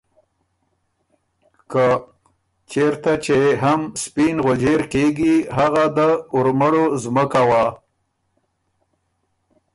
که ”چېرته چې هم سپېن غؤجېر کېږي هغه د ارمړو زمکه وه“